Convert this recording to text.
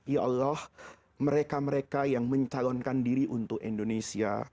ya allah mereka mereka yang mencalonkan diri untuk indonesia